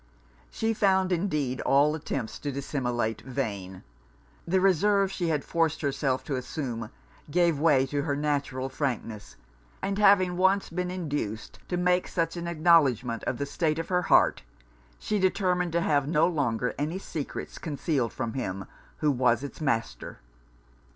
She found, indeed, all attempts to dissimulate, vain: the reserve she had forced herself to assume, gave way to her natural frankness; and having once been induced to make such an acknowledgment of the state of her heart, she determined to have no longer any secrets concealed from him who was it's master.